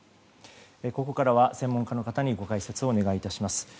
ここからは専門家の方にご解説をお願い致します。